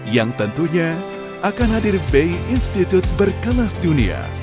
yang tentunya akan hadir bay institute berkelas dunia